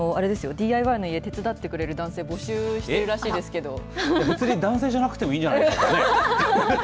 ＤＩＹのいえ手伝ってくれる男性別に男性じゃなくてもいいんじゃないですかね。